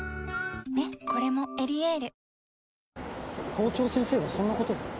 校長先生がそんなことを？